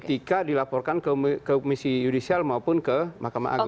jika dilaporkan ke komisi judisial maupun ke mahkamah agung